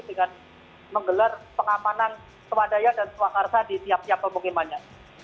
dengan menggelar pengamanan swadaya dan swakarsa di tiap tiap pemukimannya